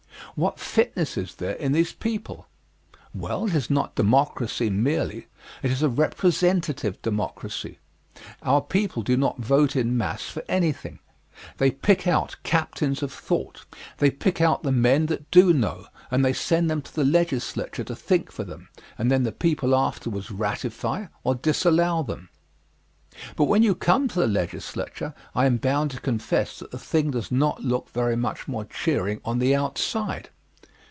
What fitness is there in these people? Well, it is not democracy merely; it is a representative democracy. Our people do not vote in mass for anything; they pick out captains of thought, they pick out the men that do know, and they send them to the Legislature to think for them, and then the people afterward ratify or disallow them. But when you come to the Legislature I am bound to confess that the thing does not look very much more cheering on the outside.